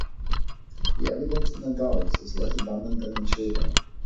The evidence in adults is less abundant than in children.